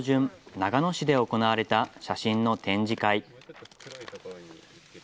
長野市で行われた写真の展示会。